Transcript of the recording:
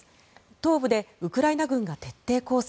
東部でウクライナ軍が徹底抗戦。